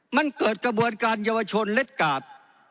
มันเกิดกระบวนการเยาวชนเล็ดกาด